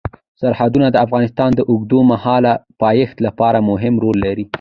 سرحدونه د افغانستان د اوږدمهاله پایښت لپاره مهم رول لري.